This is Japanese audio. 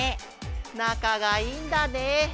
なかがいいんだね。